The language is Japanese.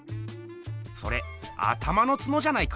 「それ頭のツノじゃないか？」